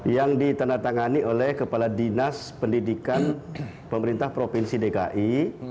yang ditandatangani oleh kepala dinas pendidikan pemerintah provinsi dki